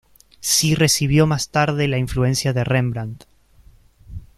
Sí recibió más tarde la influencia de Rembrandt.